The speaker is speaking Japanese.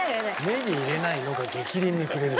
「ネギ入れないの？」が逆鱗に触れる。